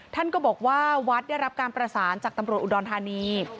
ท่านก็บอกว่าวัดได้รับการประสานจากตำรวจอุดรธานี